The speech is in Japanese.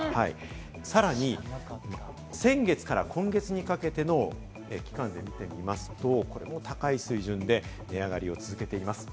さらに先月から今月にかけての期間で見てみますと、高い水準で値上がりを続けています。